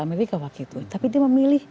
amerika waktu itu tapi dia memilih